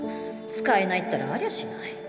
使えないったらありゃしない。